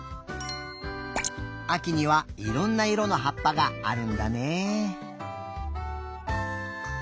あきにはいろんないろのはっぱがあるんだね。